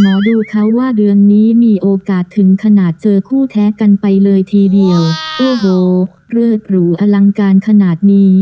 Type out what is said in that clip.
หมอดูเขาว่าเดือนนี้มีโอกาสถึงขนาดเจอคู่แท้กันไปเลยทีเดียวโอ้โหเลิศหรูอลังการขนาดนี้